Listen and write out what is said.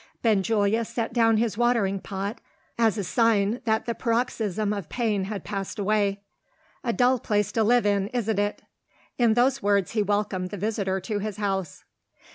Benjulia set down his watering pot, as a sign that the paroxysm of pain had passed away. "A dull place to live in, isn't it?" In those words he welcomed the visitor to his house.